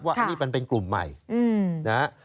ว่าอันนี้มันเป็นกลุ่มใหม่นะฮะ